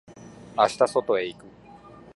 明日外へ行く。